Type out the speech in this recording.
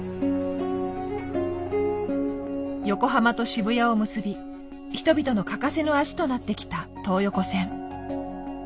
横浜と渋谷を結び人々の欠かせぬ足となってきた東横線。